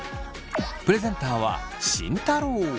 プレゼンターは慎太郎。